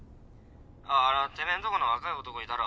あああのてめぇんとこの若い男いたろ。